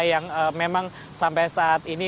yang memang sampai saat ini